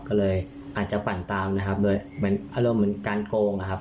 ก็เลยอาจจะปั่นตามนะครับโดยเหมือนอารมณ์เหมือนการโกงนะครับ